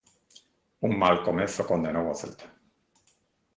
Un mal comezo condenou o Celta.